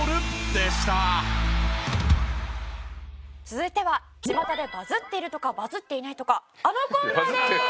続いては巷でバズっているとかバズっていないとかあのコーナーです！